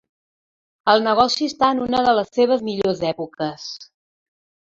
El negoci està en una de les seves millors èpoques.